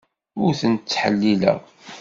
Ur ten-ttḥellileɣ.